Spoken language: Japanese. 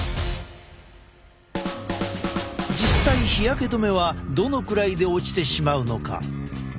実際日焼け止めはどのくらいで落ちてしまうのか。